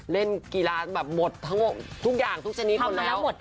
เล่นกีฬาหมดทุกอย่างทุกชนิดหมดแล้ว